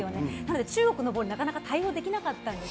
中国のボールになかなか対応できなかったんです。